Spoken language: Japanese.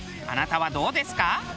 あなたはどうですか？